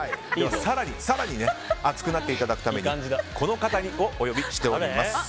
更に熱くなっていただくためにこの方をお呼びしております。